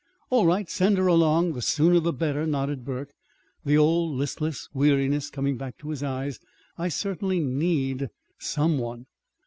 "All right. Send her along. The sooner the better," nodded Burke, the old listless weariness coming back to his eyes. "I certainly need some one."